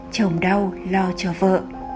chồng đau lo cho vợ